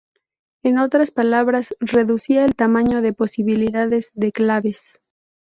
En otras palabras, reducía el tamaño de posibilidades de claves.